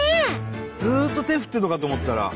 ずっと手振ってるのかと思ったら。